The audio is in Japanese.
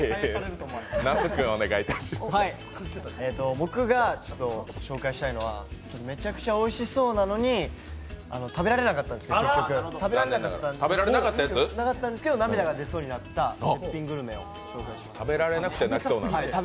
僕が紹介したいのは、めちゃくちゃおいしそうなのに食べられなかったんです、結局食べられなかったんですけど涙が出そうになった絶品グルメを紹介します。